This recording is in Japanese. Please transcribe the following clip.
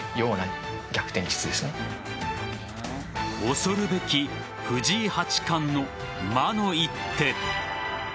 恐るべき、藤井八冠の魔の一手。